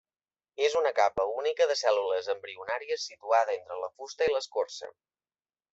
És una capa única de cèl·lules embrionàries situada entre la fusta i l'escorça.